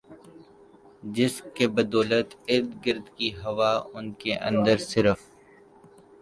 جس کی بدولت ارد گرد کی ہوا ان کے اندر صرف